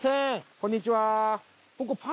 こんにちは。